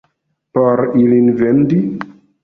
Por ilin vendi?